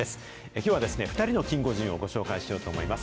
きょうは２人のキンゴジンをご紹介しようと思います。